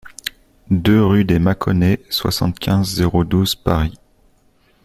deux rUE DES MACONNAIS, soixante-quinze, zéro douze, Paris